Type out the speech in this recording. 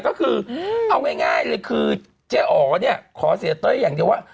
ก็คือเอาง่ายเลยคือเจ๊อ๋อเนี่ยขอเสียเต้ยอย่างเดียวว่า